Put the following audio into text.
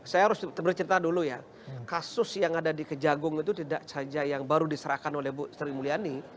saya harus bercerita dulu ya kasus yang ada di kejagung itu tidak saja yang baru diserahkan oleh bu sri mulyani